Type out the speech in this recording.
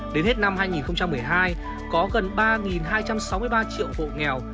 đến hết năm hai nghìn một mươi hai có gần ba hai trăm sáu mươi ba triệu hộ nghèo